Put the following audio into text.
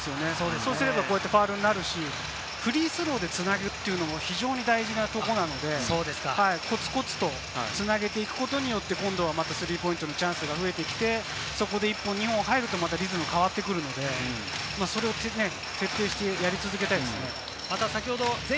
そうすればファウルになるし、フリースローでつなぐというのも非常に大事なところなので、コツコツと繋げていくことによって、今度はスリーポイントのチャンスが増えて、そこで１本２本入るとリズムが変わってくるので、徹底してやり続けたいですよね。